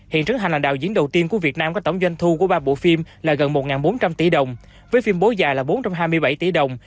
hiện trấn hành là đạo diễn đầu tiên của việt nam có tổng doanh thu của ba bộ phim là gần một bốn trăm linh tỷ đồng với phim bố già là bốn trăm hai mươi bảy tỷ đồng